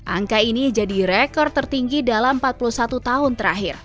angka ini jadi rekor tertinggi dalam empat puluh satu tahun terakhir